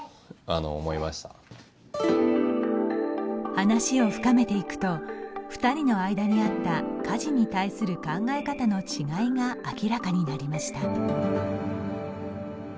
話を深めていくと２人の間にあった家事に対する考え方の違いが明らかになりました。